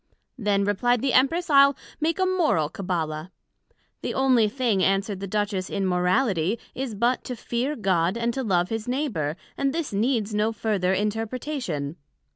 Then, replied the Empress, I'le make a Moral Cabbala. The onely thing, answered the Duchess, in Morality, is but, To fear God, and to love his Neighbour, and this needs no further interpretation.